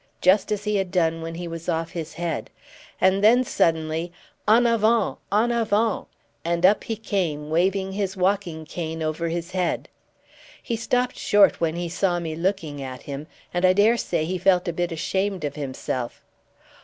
_" just as he had done when he was off his head; and then suddenly, "En avant! en avant!" and up he came, waving his walking cane over his head. He stopped short when he saw me looking at him, and I daresay he felt a bit ashamed of himself.